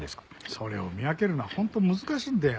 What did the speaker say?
それを見分けるのは本当難しいんだよ。